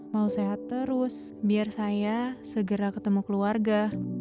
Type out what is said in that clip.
mau sehat terus biar saya segera ketemu keluarga